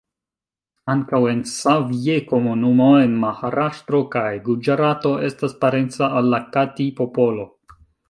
Ankaŭ la Savji-komunumo en Maharaŝtro kaj Guĝarato estas parenca al la Kati-popolo.